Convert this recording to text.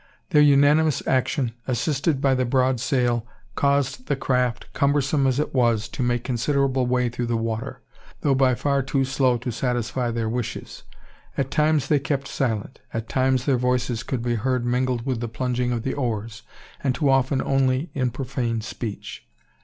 Their unanimous action, assisted by the broad sail, caused the craft, cumbersome as it was, to make considerable way through the water, though by far too slow to satisfy their wishes. At times they kept silent; at times their voices could be heard mingled with the plunging of the oars; and too often only in profane speech.